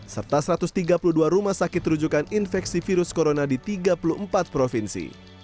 serta satu ratus tiga puluh dua rumah sakit rujukan infeksi virus corona di tiga puluh empat provinsi